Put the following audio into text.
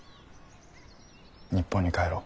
日本に帰ろう。